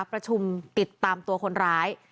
ประชุมติดตามตัวคนร้าย